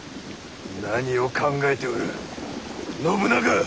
何を考えておる信長！